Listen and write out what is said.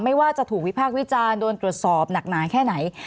ไม่ว่าจะถูกวิพากษ์วิจารณ์โดนตรวจสอบหนักหนาแค่ไหน